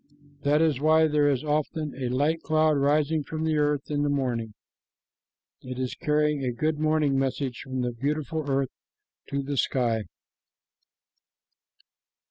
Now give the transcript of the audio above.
That is why there is often a light cloud rising from the earth in the morning. It is carrying a good morning message from the beautiful earth to the sky.